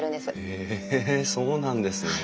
へえそうなんですね。